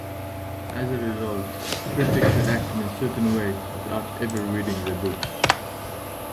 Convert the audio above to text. As a result, critics react a certain way without ever reading the books.